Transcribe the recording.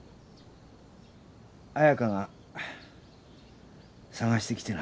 彩佳が探してきてな。